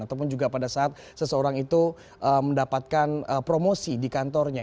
ataupun juga pada saat seseorang itu mendapatkan promosi di kantornya